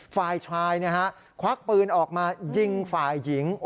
ฝ่ายชายควักปืนออกมายิงฝ่ายหญิง